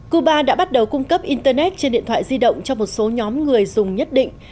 cuba đã bắt đầu cung cấp internet trên điện thoại di động cho một số nhóm người dùng nhất định